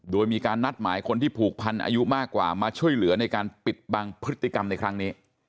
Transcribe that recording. โดยมีการนัดหมายคนที่ผูกพันอายุมากกว่ามาช่วยเหลือในการปิดบังพฤติกรรมในครั้งนี้